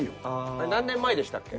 あれ何年前でしたっけ？